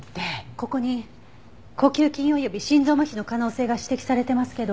ここに呼吸筋および心臓麻痺の可能性が指摘されてますけど。